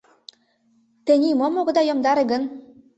— Тений мом огыт йомдаре гын?